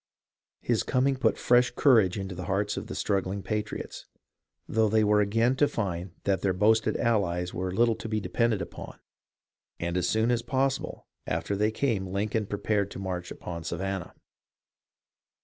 His coming put fresh courage into the hearts of the struggling patriots, though they were again to find that their boasted allies were little to be depended upon, and as soon as possible after they came Lincoln prepared to march upon Savannah.